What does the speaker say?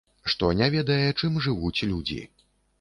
Што не ведае, чым жывуць людзі.